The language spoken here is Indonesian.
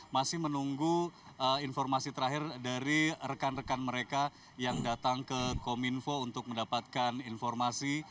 masih menunggu informasi terakhir dari rekan rekan mereka yang datang ke kominfo untuk mendapatkan informasi